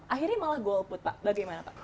akhirnya malah golput pak bagaimana pak